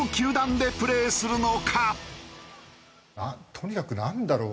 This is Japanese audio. とにかくなんだろう？